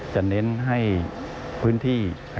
เน้นให้พื้นที่